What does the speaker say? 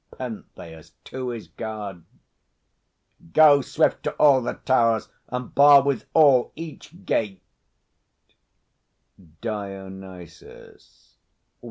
PENTHEUS (to his guard). Go swift to all the towers, and bar withal Each gate! DIONYSUS.